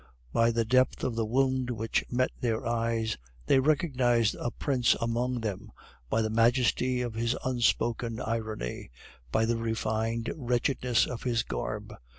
By the depth of the wound which met their eyes, they recognized a prince among them, by the majesty of his unspoken irony, by the refined wretchedness of his garb.